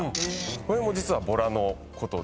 これも実はボラのことで。